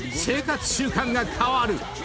［生活習慣が変わる］